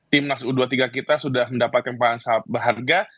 timnas u dua puluh tiga kita sudah mendapatkan pangan berharga